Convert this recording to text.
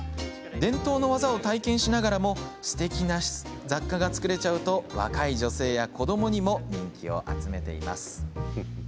伝統の技を体験しながらもすてきな雑貨が作れちゃうと若い女性や子どもにも人気を集めています。